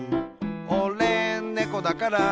「おれ、ねこだから」